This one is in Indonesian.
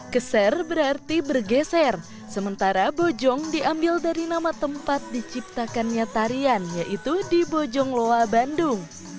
keser berarti bergeser sementara bojong diambil dari nama tempat diciptakannya tarian yaitu di bojong loa bandung